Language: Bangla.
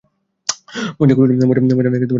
মজা করছো না-কি মাস্টার?